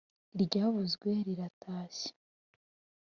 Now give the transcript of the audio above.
iryavuzwe riratashye